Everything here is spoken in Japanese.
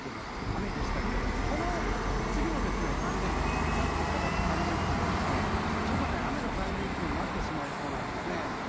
雨でしたけれどもこの次の３連休あさってからの３連休も雨の３連休になってしまいそうです。